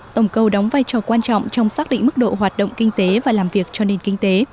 tổng cầu đóng vai trò quan trọng trong xác định mức độ hoạt động kinh tế và làm việc cho nền kinh tế